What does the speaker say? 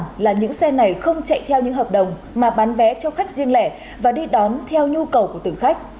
nói đơn giản là những xe này không chạy theo những hợp đồng mà bán vé cho khách riêng lẻ và đi đón theo nhu cầu của từng khách